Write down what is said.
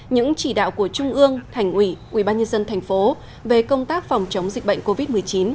những chỉ đạo của trung ương thành ủy ubnd tp về công tác phòng chống dịch bệnh covid một mươi chín